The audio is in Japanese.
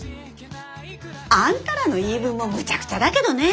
あんたらの言い分もむちゃくちゃだけどね。